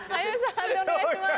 判定お願いします。